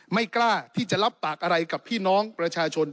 ไม่กล้าที่จะรับปากอะไรกับพี่น้องประชาชน